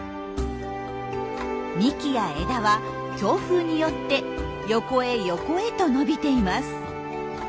幹や枝は強風によって横へ横へと伸びています。